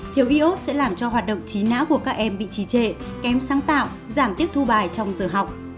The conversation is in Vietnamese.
thiếu iốt sẽ làm cho hoạt động trí não của các em bị trí trệ kém sáng tạo giảm tiếp thu bài trong giờ học